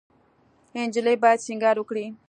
انجلۍ باید سینګار وکړي.